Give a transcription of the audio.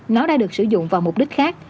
nó đã được sử dụng vào mục đích khác